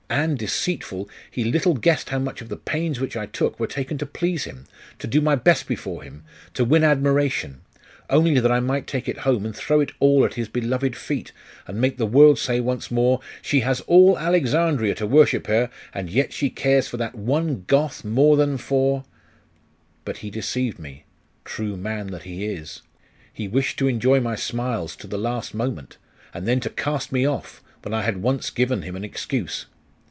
And, deceitful! he little guessed how much of the pains which I took were taken to please him, to do my best before him, to win admiration, only that I might take it home and throw it all at his beloved feet, and make the world say once more, "She has all Alexandria to worship her, and yet she cares for that one Goth more than for " But he deceived me, true man that he is! He wished to enjoy my smiles to the last moment, and then to cast me off, when I had once given him an excuse....